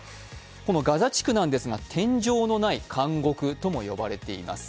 このガザ地区なんですが天井のない監獄とも呼ばれています。